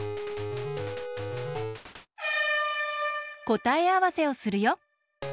こたえあわせをするよ。